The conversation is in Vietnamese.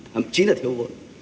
thậm chí là thiếu vội